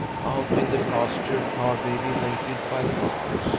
Out in the pasture, Tarbaby waited by the bars.